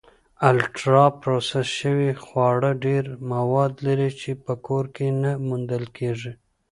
الټرا پروسس شوي خواړه ډېری مواد لري چې په کور کې نه موندل کېږي.